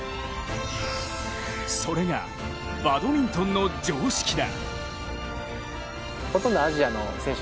それが、バドミントンの常識だ。